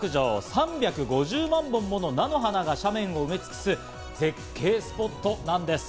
３５０万本もの菜の花が斜面を埋め尽くす絶景スポットなんです。